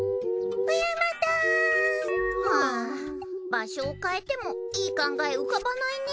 場所を変えてもいい考え浮かばないね。